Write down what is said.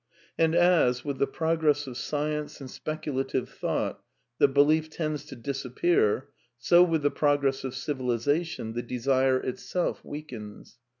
And as, with the progress of science and speculative thought, the belief tends to disappear, so with the progress of civilization the desire itself weakens.